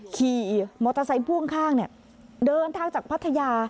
ขี่มอเตอร์ไซค์พ่วงข้างเดินทางจากพัทยา